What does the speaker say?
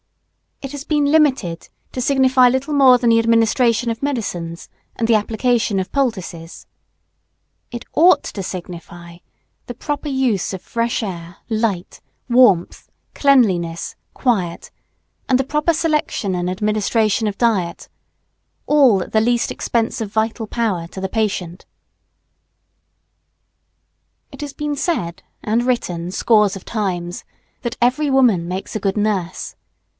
It has been limited to signify little more than the administration of medicines and the application of poultices. It ought to signify the proper use of fresh air, light, warmth, cleanliness, quiet, and the proper selection and administration of diet all at the least expense of vital power to the patient. [Sidenote: Nursing the sick little understood.] It has been said and written scores of times, that every woman makes a good nurse.